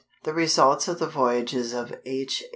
The results of the voyages of H.